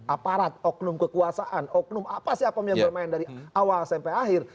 aparat oknum kekuasaan oknum apa sih apa yang bermain dari awal sampai akhir